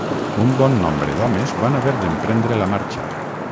Un bon nombre d'homes van haver d'emprendre la marxa